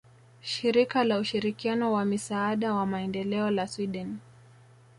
Shirika la Ushirikiano wa Misaada wa Maendeleo la Sweden